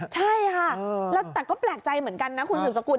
ใช่ค่ะแล้วแต่ก็แปลกใจเหมือนกันนะคุณสืบสกุล